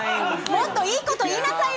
もっといいこと言いなさいよ！